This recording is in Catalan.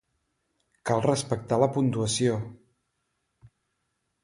Cal respectar la puntuació.